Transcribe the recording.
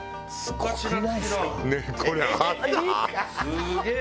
すげえ！